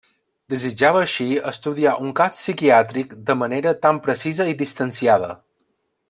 Desitjava així estudiar un cas psiquiàtric de manera tan precisa i distanciada.